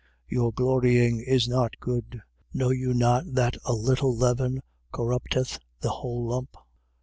5:6. Your glorying is not good. Know you not that a little leaven corrupteth the whole lump?